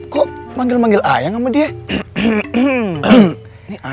kok manggil manggil ayah sama dia